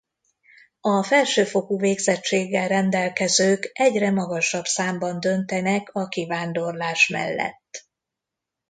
A felsőfokú végzettséggel rendelkezők egyre magasabb számban döntenek a kivándorlás mellett.